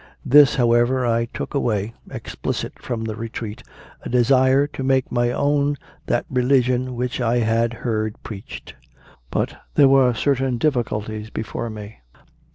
This, however, I took away, explicit, from the retreat a desire to make my own that religion which I had heard preached. But there were certain difficulties before me.